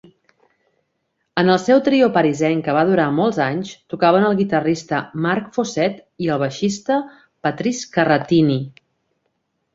En el seu trio parisenc que va durar molts anys tocaven el guitarrista Marc Fosset i el baixista Patrice Carratini.